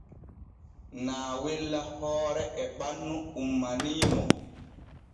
Naawella hoore e ɓannu ummanii mo.